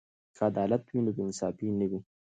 که عدالت وي نو بې انصافي نه وي.